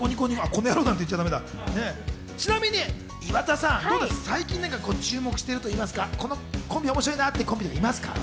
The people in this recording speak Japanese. ちなみに岩田さん、最近注目しているといいますか、このコンビ面白いなって、いますか？